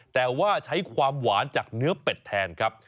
แต่ว่าใช้ความหวานจากเนื้อเป็ดแทนครับ